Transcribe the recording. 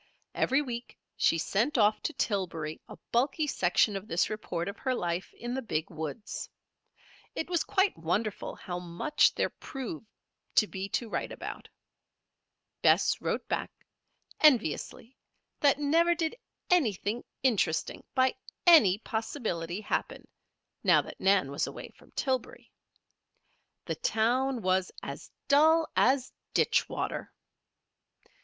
Every week she sent off to Tillbury a bulky section of this report of her life in the Big woods. It was quite wonderful how much there proved to be to write about. Bess wrote back, enviously, that never did anything interesting, by any possibility, happen, now that Nan was away from Tillbury. The town was "as dull as ditch water."